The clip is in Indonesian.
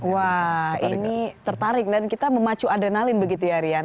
wah ini tertarik dan kita memacu adrenalin begitu ya rian